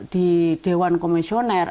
di dewan komisioner